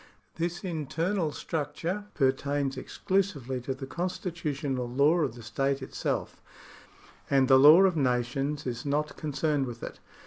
This inter nal structure pertains exclusively to the constitutional law of the state itself, and the law of nations is not concerned with it.